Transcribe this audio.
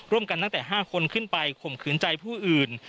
ตั้งแต่๕คนขึ้นไปข่มขืนใจผู้อื่น